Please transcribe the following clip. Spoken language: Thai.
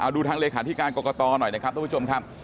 ดูทางเลขาธิการกรกตหน่อยนะครับทุกผู้ชมครับ